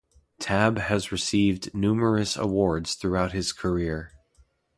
Tabb has received numerous awards throughout his career.